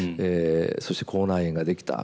そして口内炎が出来た。